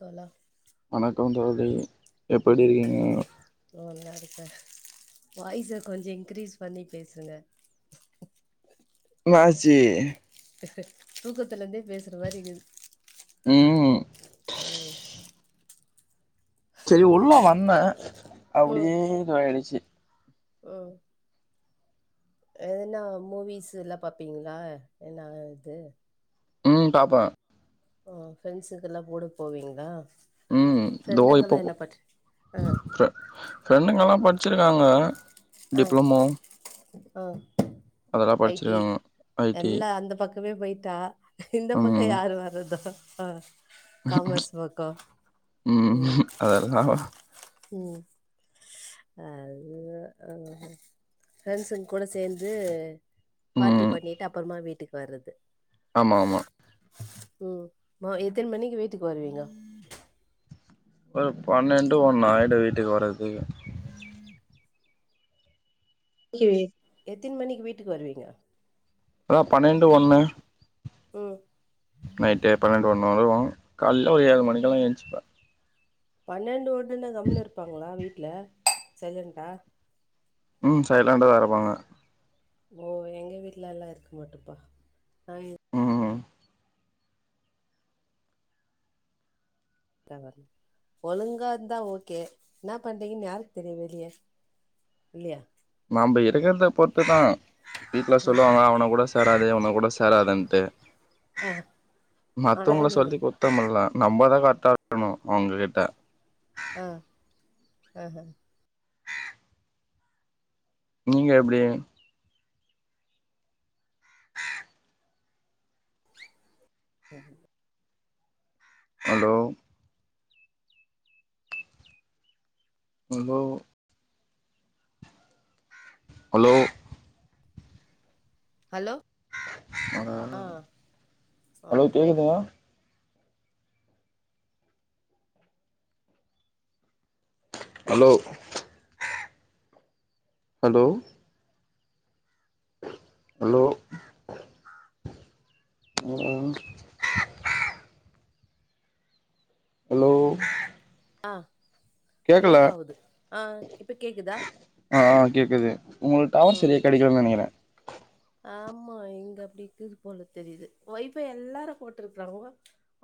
தோழா வணக்கம் தோழி எப்படி ம் இருக்கீங்க நல்லா இருக்கே வாய்ஸ கொஞ்சம் இன்க்ரீஸ் பண்ணி பேசுங்க என்னாச்சி தூக்கத்துலந்தே பேசுற மாரி இருக்குது ம் ஓ செரி உள்ள வந்தேன் அப்டியே இதுவாயிடுச்சு ஓ எதுனா மூவிஸ் ல்லாம் பாப்பீங்களா என்னா இது ம் பாப்பே ஆ ஃப்ரெண்ட்ஸ்க்குல்லா கூட போவீங்களா ம் தோ இப்போ ஃப்ரெண்டுங்கல்லா என்ன பண் ஆ ஃப்ர வஃப்ரெண்டுங்கல்லா படிச்சிருக்காங்க ஆ டிப்ளமோ ஆ அதெல்லா ஐ டி படிச்சிருக்காங்க ஐ டி எல்லா அந்த பக் பக்கமே போய்ட்டா இந்த பக்கம் ம் யாரு வர்றது ஆ காமஸ் ஒர்க்கோ ம் ம் அது அவ் வவ ப்ரெண்ட்ஸுங்க கூட சேர்ந்து பார்ட்டி ம் பண்ணிட்டு அப்றமா வீட்டுக்கு வர்றது ஆமா ஆமா ம் மோ எத்தின மணிக்கு வீட்டுக்கு வருவீங்க ஒரு பன்னெண்டு ஒன்னு ஆயுடும் வீட்டுக்கு வர்றதுக்கு இல்லயே எத்தின் மணிக்கு வீட்டுக்கு வருவீங்க அதான் பன்னெண்டு ஒண்ணு ம் நைட்டு பன்னெண்டு ஒன்னு வருவோம் காலையில ஒரு ஏழு மணிக்குல்லாம் எஜ்ச்சுப்பே பன்னெண்டு வன்ட்டுன்னா கம்முன்னு இருப்பாங்களா வீட்டுல சைலன்டா ம் சைலண்டா தா இருப்பாங்க ஓ எங்க வீட்டு்லல்லாம் இருக்க மாட்டோம்ப்பா நா எ ம் [unintelligible] ஒழுங்கா இருந்தா ஓகே என்னா பண்றீங்கன்னு யாருக்கு தெரியும் வெளிய இல்லையா நம்ப இருக்கறத பொறுத்துதான் வீட்ல சொல்லுவாங்க அவனுங்க கூட சேராத இவனுங்க கூட சேராதுன்ட்டு ஆ ஆனா மத்தவங்கள நீங்க சொல்லி குத்தம் இல்ல நம்மதா கரெக்டா இருக்கணும் அவங்க கிட்ட ஆ ஆஹ நீங்க எப்டி ஆஹ ஹலோ ஹலோ ஹலோ ஹலோ ஆ அ ஆ ஹலோ பிரேக் கேக்குதுங்களா ஹலோ ஹலோ ஹலோ ஆ ஹலோ அ கேக்கல பிரேக் ஆவுது ஆ இப்ப கேக்குதா அ அ கேக்குது உங்குளுக் டவர் ம் செரியா கெடைக்கிலன் நெனைக்கிறே ஆமா இங்க அப்டி இக்குது போல தெரிது ஒய்ஃபை எல்லாரு போட்ருக்றாங்கோ அ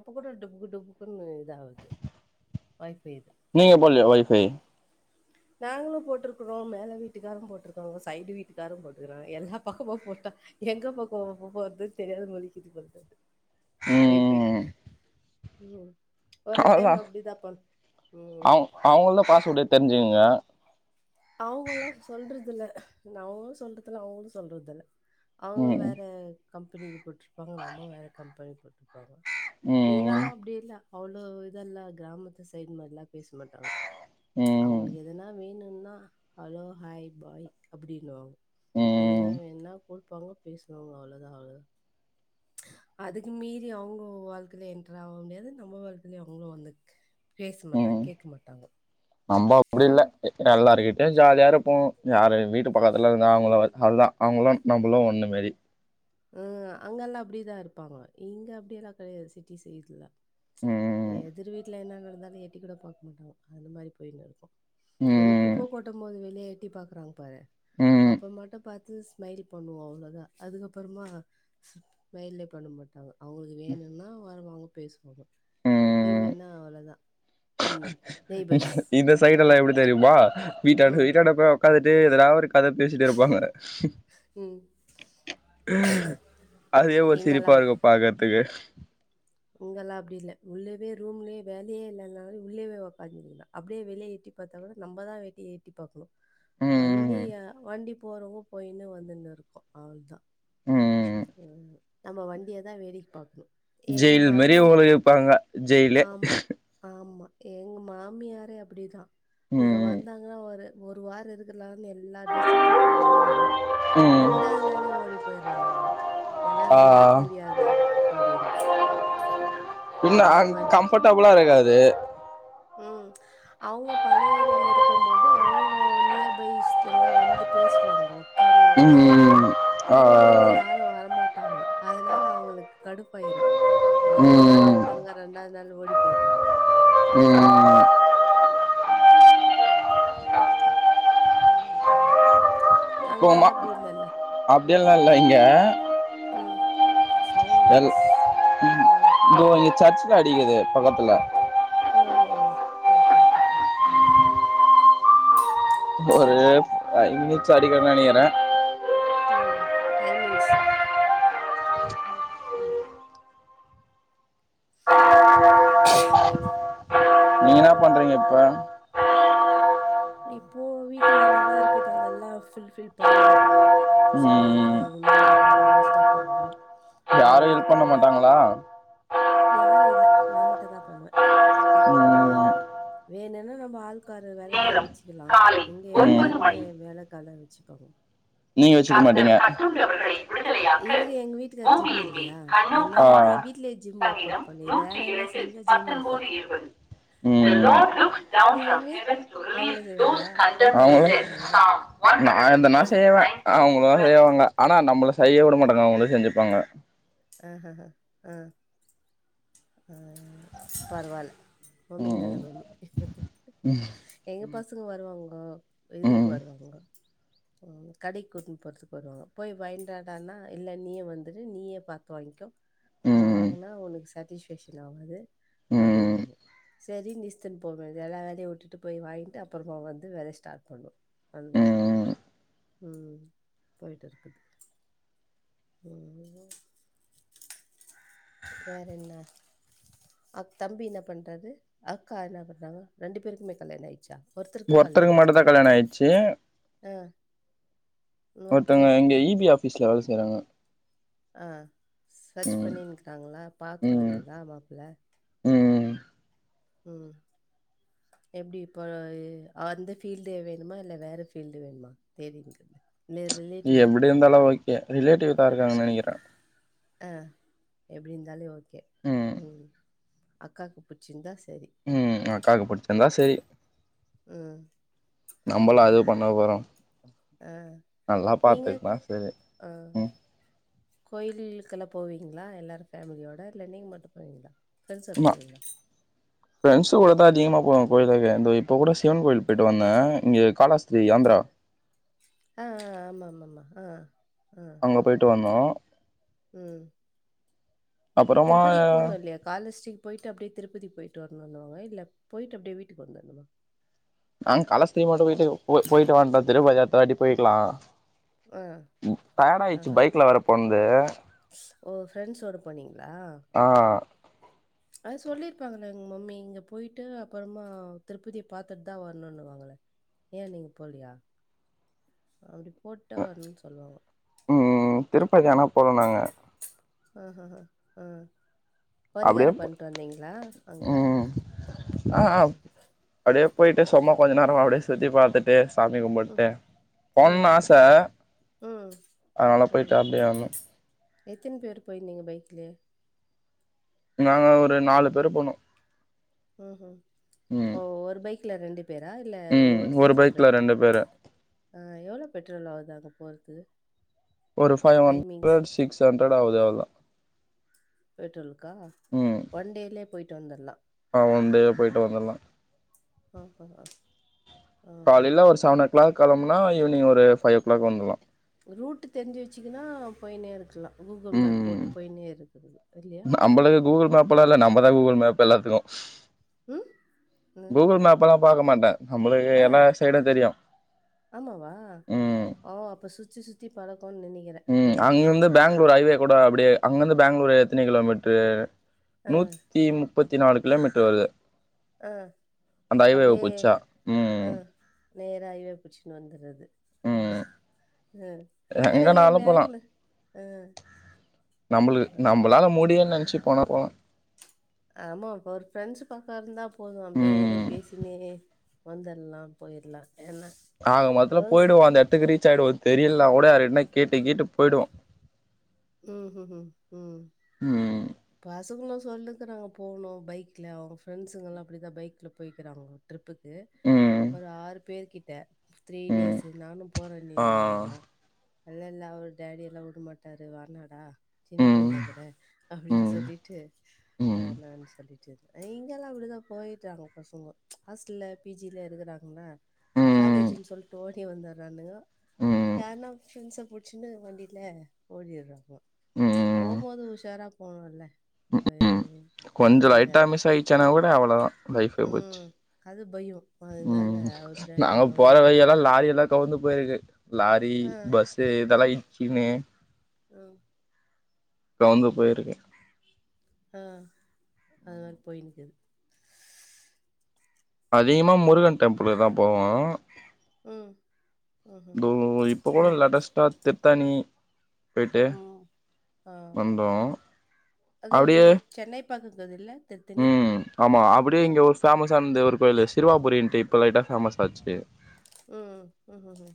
இப்ப கூட டுபுக்கு டுபுக்குன்னு இதாவுது ஒய்ஃபை நீங்க போட்லியா ஒய்ஃபை நாங்களு போட்ருக்குறோ மேல வீட்டுக்காரும் போட்ருக்காங்கோ சைடு வீட்டுக்காரும் போட்டுகறாங் எல்லா பக்கமு போட்டா எங்க பக்கோ குப்போறது தெரியாத முழிக்குது [inaudible] ஒய்ஃபை ம் ஒரு அவுள்தா டைம் அப்டிதா பண் ம் அவ் அவுங்கள்து பாஸ்வேடு தெரிஞ்சுக்ங்க அவுங்கல்லா சொல்றதில்ல நவுங்குளு சொல்றதில்ல அவுங்குளு சொல்றதில்ல அவுங்க ம் வேற கம்பெனி இது போட்ருப்பாங்க நம்ம வேற கம்பெனி போட்ரு காங்க ம் இங்கல்லா அப்டி இல்ல அவ்ளோ இதெல்லா கிராமத்து சைடு மார்லா பேச மாட்டாங்கோ ம் அவுங்களுக்கு எதுனா வேணுன்னா ஹலோ ஹாய் பாய் அப்டின்னுவா எதுனா ம் வேண்ணா குடுப்பாங்கோ பேசுவாங்கோ அவ்ளதா அவ்ளதா அதுக்கு மீறி அவுங்க வாழ்க்கைல என்ட்ர் ஆவ் முடியாது நம்ப வாழ்க்கைலியு அவுங்குளு வந்துக் பேச ம் மாட்டாங் ம் கேக்க மாட்டாங்கோ நம்ப அப்டி இல்ல எ எல்லாருகிட்டியு ஜாலியாரு ப்போ யாரு வீட்டு பக்கத்துல இருந்தா அவுங்களுவ அதுதா அவுங்களும் நம்பளு ஒன்னு மேரி அ அங்கல்லா அப்டிதா இருப்பாங்க இங்க அப்டியெல்லா கெடையாது சிட்டி சைடுல ம் எதிர் வீட்ல என்ன நடந்தாலு எட்டி கூட பாக் மாட்டாங் அந்த மாரி போயின்னுருக்கு இது ம் குப்ப கொட்டம் போது வெளிய எட்டி பாக்றாங் பாரு ம் அப்ப மட்டு பாத்து ஸ் மைல் பண்ணுவோ அவ்ளோதா அதுக்கப்புறமா ஸ்மைலே பண்ண மாட்டாங்கோ அவுங்களுக்கு வேணுன்னா வருவாங்க பேசுவாங்கோ இல்லேன்னா அவ்ளதா இந்த இந்த ஆ சைடெல்லா எப்டி தெரியுமா வீட்டான்ட ம் வீட்டான்டப்போய் ஒக்காந்துட்டு எதானா ஒரு கத பேசிட்டிருப்பாங்க ம் அதே ஒரு சிரிப்பாருக்கு பாக்கறதுக்கு இங்கெல்லா அப்டி இல்ல உள்ளேவே ரூம்லியே வேலையே இல்லனாலு உள்ளேவே ஒக்காந்திகினு அப்டே வெளே எட்டி பாத்தா கூட நம்பதா வெளிய எட்டி பாக்குணு ம் வண்டிய வண்டி போறவங்க போயினு வந்துன்னு இருக்கு அவுள்தா ம் அ நம்ம வண்டியதா வேடிக் பாக்ணு ஜெயில் மரியே உங்குளுக்கு இப்ப அங்க ஜெயிலே எங் மாமியாரே அப்டிதா இங்க ம் வந்தாங்கனா ஒரு ஒரு வார இருக ளான் எல்லா டிரெஸ்ஸூ தூக்கிண்டு வருவாங்கோ ம் ரெண்டாவ்து நாளே ஓடி போய்ரன்னுவாங்கோ என்னால ஆ இங்க இருக் முடியாது அப்டின்ட்டு இன்னு அங் கம்ஃபடபுளா இருகாது ம் அவுங்க பழைய ஏரியால இருக்கம் போது அவுங்கோ நியர் பைஸ்தெல்லா வந்து பி பேசுவாங்கோ ஒக்காந்தின் பேசுவாங்கோ ம் ஆ இங்க வந்து யாரு வரமா ட்டாங்கோ அதுனால அவுங்களுக்கு கடுப்பாயிரு ஒரு நாள் ம் இருப்பாங்க ரெண்டாவ்து நாள் ஓடி போயிருவாங்கோ ஆ ம் ம் கோவ்மா அங்கெல்லாம் அப்படி இல்லல்ல. அப்டி எல்லா இல்ல இங்க ம். சவுண்ட் எல் நாய்ஸ். ம் தோ இங்க சர்ச்ல அடிக்கிது பக்கத்துல ஓஹோ ஓகே ஓகே ஓகே ம் ஒரு ம். ஃபை மினிட்ஸ் அடிக்குன் நெனைக்கிறே ம் டைமிங்ஸ் ம் ம் நீங்க என்னா ம். பண்றீங்க இப்ப இப்போ வீட்டு வேல எல்லா இருக்குது அதல்லா ஃபுல்ஃபில் பண்ணனு சாமான கழுகணுன் நாஷ்டா பண்ணு யாரும் பண்ண மாட்டாங்களா யாரு இல்ல நா மட்டுந்தா பண்ணுவே ம் வேணுனா நம்ப ஆள்காரு வேலக்கார் வ நேரம் ச்சுக்லா காலை இங்கே ஒன்பது எல்லாருமே மணி வேலக்கல வச்சுப்பாங்கோ நீங்க வச்சுக்க மாட்டீங்க விடுதலையாக்க இவரு எங்க வீட்டுக்கார் ஜிம் பூமியின் மேல் இல்லையா அதனால நீ கண்ணோக்கமானார் வீடலயே ஜிம் ஒர்க் அவுட் சங்கீதம் பண்ணு இது நூற்றி வேல ல பத்தொன்பது இருபது ம் [inaudible] உங்கள் மம்மி அவங்களே செய்வாங்களா ஹெல்ப் பண்ண மாட்டீங்களா நீங்கள் நா இந்த நா செய் அ அவங்கள செய்யவாங்க ஆனா நம்பள செய்ய விட மாட்டாங்க அவங்களே செஞ்சுப்பாங்க ஆ ஹ்ஹ ஆ பரவால்ல மம்மி நல்ல ம், மம்மி எங்க பசங்க வருவாங்கோ இதுக்கு ம், வருவாங் ஒங்க ஒ கடைக்கு கூட்டின்னு போறத்துக்கு வருவாங்க போய் பயண்டாடானா இல்ல நீயே வந்துடு நீயே பாத் கு வாங்கோ நா ம், வாங்குனா உனக்கு சாட்டிஸ்ஃபேக்ஷன் ஆவாது ம், அப்டின்னுவாங்கோ சேரினு இஸ்துன்டு போவே இது எல்லா வேலயு விட்டுட்டு போய் வாங்கிட்டு அப்புறமா வந்து வேல ஸ்டார்ட் பண்ணு அது மாரி ம். ம் போயிட்டு இருக்குது ம் வேற என்ன அ தம்பி என்ன பண்றது அக்கா என்ன பண்றாங்க ரெண்டு பேருக்குமே கல்யாண ஆயிடுச்சா ஒருத்தருக்கா கல்யாண ஒருத்தருக்கு மட்டு ஆயிடுச்சா தா நீங்க கல்யாண ஆயிடுச்சு ஆ இன்னொருத்தரு ஒருத்தவுங்க இங்க இபி ஆபிஸ்ல வேல செய்றாங்க ஆ சர்ச் ம் பண்ணினுக்கிறாங்களா ம் பாத்துன்னுக்கிறீங்களா மாப்பிள ம் ம் எப்டி இப்போ அந்த ஃபீல்டே வேணுமா இல்ல வேற ஃபீல்டு வேணுமா தேடின்னுக்குது இல்ல ரிலேட்டிவ் எப்டி இருக்கிறாங்களா இருந்தாலு ஓகே ரிலேட்டிவ் தா இருக்காங்கன்னு நினைக்கிறே ஆ எப்டி இருந்தாலே ஓகே ம் அக்காக்கு புடிச்சிருந்தா செ ம் அக்காக்கு புடிச்சிருந்தா சேரி ம் நம்பலா அது ம்ஹூம் பண்ண போறோ ஆ நல்லா நீங்க பாத்துக்குனா சேரி ம் கோயிலுகிலுக்கெல்லா போவீங்ளா எல்லாரு ஃபேமிலியோட இல்ல நீங்க மட்டு போவீங்களா ஃப்ரெண்ட்ஸோட நா போவீங்களா பிரணஸ் கூடதா அதிகமா போனோ கோயில்கோவிலா தோ போனா போயிருவே ந்த இப்ப கூட சிவன் கோயில் போயிட்டு வந்த இங்க காலாஸ்தீரி ஆந்திரா ஆ ஆ ஆமா ஆமா ஆமா ஆ ஆ அங்க போயிட்டு வந்தோ ம் அப்புறமா திருப்பதிக்கு போணு இல்லியா காலஸ்டிக் போயிட்டு அப்டியே திருப்திக்கு போயிட்டு வரனுனு வாங்க இல்ல போயிட்டு அப்டியே வீட்டுக்கு வந்துரனுமா நாங் காலஸ்திரீ மட்டு வீட்டுக்க போய்ட்டு வீட்டு போயிட்டு வண்டோம் திருப்பதி அடுத்த வாட்டி போயக்கலாம் ஆ ம் டடாயிடுச்சு பைக்ல வேற போன்து ஸ் ஓ ப்ரெண்ட்ஸ் ஒ ட போனீங் ஆ அது சொல்லிருப்பாங்களே ங்க மம்மி இங்க போயிட்டு அப்றமா திருப்பதிய பாத்துட்டு தா வரணும்னு‌ வாங்களே ஏ நீங்க போலியா போட்டோ வரணுனு சொல்லுவாங்க திருப்பதிதா ஆனா போனுனாங்க ஆ ஆ அ ஆ பரிகார அப்டியே பண்ட்டு வந்தீங்ளா அங்க ம் ஆ அப்டியே போயிட்டு சும்மா கொஞ்ச நேர அப்டிய சுத்தி பாத்துட்டு சாமி கும்புட்டு போனுன் ம் ஆச ம் ம் அனால போயிட்டு அப்டியே வந்தோ எத்தின் பேர் போயிருந்தீங்க பைக்லயே நாங்க ஒரு நாலு பேரு போனோ ம்ஹ்ம் ம் ஓ ஒரு பைக்ல ரெண்டு பேரா இல்ல ம் ஒவ்வொருசு ஒரு பைக்ல செப்ரேட் ரெண்டு பேரு ஆ எவளோ பெட்ரோல் ஆகுது அது போறத்துக்கு ஒரு ஃபைவ் ஹண்ரட் சிக்ஸ் ஹண்ரட் ஆவுது அவள்தா பெட்ரோலுக்கா வண்டீலே போய்ட்டு வந்துர்லா அவன்டையே போய்ட்டு வந்துர்லா ஆ ஆ ஆ ஆ ப்ளா களம்புனா ஈவ்னங் ஒரு ஃபையோ க்ளாக் வந்துர்லா ரூட்டு தெரிஞ்சு வச்சுகுனா போய்னே இருக்கலா கூகுள் மேப் ம் போட்டு போய்னே இருக்குறது இல்லையா தா கூகுள் மேப் எல்லாத்துக்கு ம் ம் கூகுள் மேப்பல்லா பாக்க மாட்ட ஆ ஆமாவா ம் ஓ அப்ப சுத்தி சுத்தி பழக் ம் அங்கர்ந்து பேங்ளூர் ஐவே கூட அப்டியே அங்கர்ந்து பேங்ளூரு எத்தினி கிலோமீட்ரு ஆ நூத்தி முப்பத்தி நாலு கிலோமீட்டர் வருது ஆ அந்த ஐவே‌வ புச்சா ம் ம் நேரா ஐவே புச்சுனு வந்துர்றது ம் அ அனா இ எங்கனாலு வேங்ல ஆ நம்ப்ளு ஆஹா. நம்பளால முடியுன் நென்ச்சு போனா போலா ஆமா இப்ப ஒரு ஃப்ரெண்ட்ஸு பக்கொ இருந்தா போது அப்டியே ம் பேசின்னே வந்துர்லா போய்ர்லா ஆக மொத்துல போய்டுவோ அந்த கெடத்துக்கு ரீச் ஆயிடுவோ தெரியல்னா கூட யாரு கிட்னா கேட்டு கேட்டு போயிடுவோ ம் ஹ்ம் ஹ்ம் ம் ம் பசங்குலு சொல்லுக்குறாங்க போணு பைக்ல அவ ஃப்ரெண்ஸுங்கல்லா அப்டிதா பைக்ல போய்க்கிறாங்க ட்ரிப் புக்கு ம் ஒரு ஆறு பேர் கிட்ட த்ரீ ம் டேஸு நானு ஆ போறனிருந்தானுங்க இல்ல இல்ல அவ டேடியெல்லா உடு மாட்டாரு டு வேணாடா சின்ன ம் பைனா இக்குற அப்டின் ம் சொல்லிட்டு ம் வேணான் சொல்லிட்டு அ இங்கெல்லா அப்டிதா போயிட்றாங்கொ பசங்கொ ஹாஸ்டல்ல பிஜில இருக்குறாங்கன ம் காலேஜின் சொல்ட்டு ஓடி வந்துர்றானுகொ ம் யார்னா ஃப்ரெண்ஸ புடிச்சினு வண்டியில ஓடிர்றாங்கொ போம்போது உஷாரா போணுல்ல ம் ம் கொஞ்சொ லைட்டா மிஸ் ஆயிட்ச்சன்னா கூட அவ்ளோதா லைஃபே போச்சி ம் அது பயோ ம் அதனால ம் அவர் டாடி நாங்க அவ்வளவா போற விடுறது வழியெல்லா லாரியெல்லா கௌந்து [unintelligible] லாரி ஆ பஸ்ஸு இதெல்லா இட்ச்சியினு அ கௌந்து போய்ருக்கு ஆ அது மாரி போயின்க்குது அதிகமா முருகன் டெம்புலுக்கு தா போவோ ம் தோ ம்ஹ்ஹும் இப்பொக் கூட ம் லேட்டஸ்ட்டா திர்த்தாணி போய்ட்டு ம் ம். ஆ வந்தோ அப்டியே பாக்கததில்ல ம் ஆமா அப்டியே இங்க ஒரு ஃபேம ஸா அந்த ஒரு கோய்லு சிர்வாபுரின்ட்டு இப்ப லைட்டா ஃபேமஸ் ஆச்சே ம் ம் ம் ஹ்ம் ஹ்ம்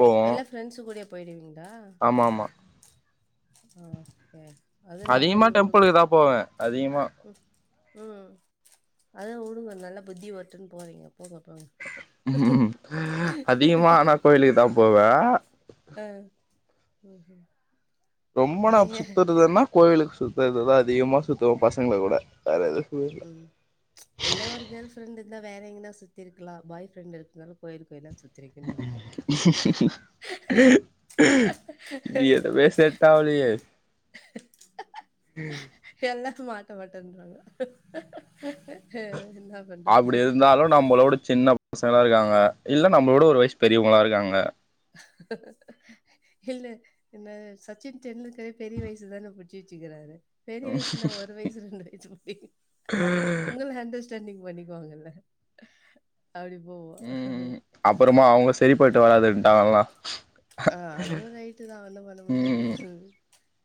போவோ எல்லா ஃப்ரெண்ட்ஸுங் கூடயே போய்டுவீங்ளா ஆமா ஆமா ஆகே அது அதிகமா நல்லது உடுங்க டெம்பிளுக்கு தா போவே அதிகமா ம் ம் அதா உடுங்க நல்ல புத்தி வரட்டுன் போறீங்க போங்க போங்க அதிகமா ஆனா கோயிலுக்கு தா போவ அ ம் ம் ரொம்ப நா சுத்துறதுன்னா. கோவிலுக்கு சுத்துறதுதான் அதிகமா சுத்துவோம் பசங்களு கூட வேறது ம் எல்லா ஒரு கேர்ள் ஃப்ரெண்டு இருந்தா வேற எங்கன சுத்தி இருக்கலாம், பாய் ஃப்ரெண்டு இருந்தால கோயில் கோயிலா சுத்தி எதுவுமே செட் ஆவலையே உம் [unintelligible] மாட்ட மாட்டேன்றாங்க என்ன பண்றது அப்படி இருந்தாலும் நம்மளோட சின்னப் பசங்களா இருக்காங்க. இல்ல நம்மளோட ஒரு வயசு பெரியவங்களா இருக்காங்க. இல்ல இந்த சச்சின் டெண்டுல்கரே பெரிய வயசில் தான பு ட்ச்சு வச்சுக்கிறாரு பெரிய வயசுன ஒரு வயசு ரெண்டு வயசு [unintelligible] ஒங்கள ஹண்ட ட்ரெண்டிங் பண்ணிக்குவாங்கல்ல அப்டி போவோ. போயிட்டு வராதுட்டாங்கல்லா ஆ அதுவும் ரைட்டு தான். ஒண்ணும் பண்ண முடியாது ம்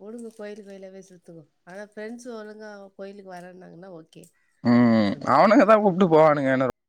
ஒழுங்க கோயிலு கோயிலாவ சுத்துக்க ஆனா ஃப்ரெண்ட்ஸ் ஒழுங்கா கோயிலுக்கு வராங்கன்னா ஓகே ம் போங்க. அவனுக்க தா ம். கூப்புட்டு போவானுங்க என்ன